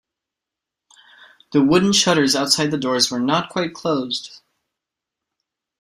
The wooden shutters outside the doors were not quite closed.